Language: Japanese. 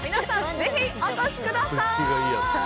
ぜひお越しください！